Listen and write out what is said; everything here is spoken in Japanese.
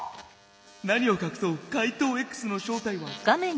「何をかくそう怪盗Ｘの正体は」。